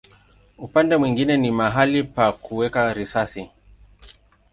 Upande mwingine ni mahali pa kuweka risasi.